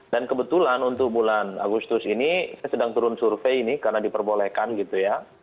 dan kebetulan untuk bulan agustus ini saya sedang turun survei ini karena diperbolehkan gitu ya